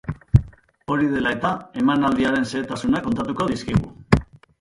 Hori dela eta, emanaldiaren xehetasunak kontatuko dizkigu.